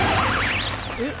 えっ？